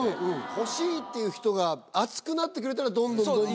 欲しいっていう人が熱くなってくれたらどんどん。